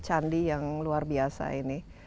candi yang luar biasa ini